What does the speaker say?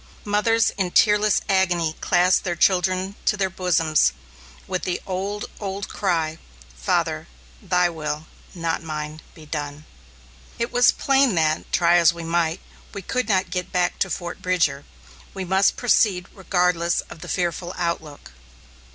Mothers in tearless agony clasped their children to their bosoms, with the old, old cry, "Father, Thy will, not mine, be done." It was plain that, try as we might, we could not get back to Fort Bridger. We must proceed regardless of the fearful outlook.